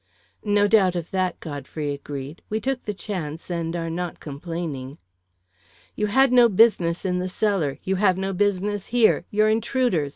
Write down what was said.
"No doubt of that," Godfrey agreed. "We took the chance, and are not complaining." "You had no business in the cellar. You have no business here. You're intruders.